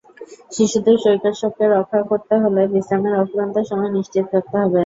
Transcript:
শিশুদের শৈশবকে রক্ষা করতে হলে বিশ্রামের অফুরন্ত সময় নিশ্চিত করতে হবে।